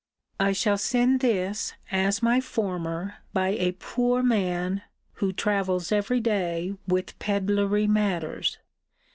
I shall send this, as my former, by a poor man, who travels every day with pedlary matters.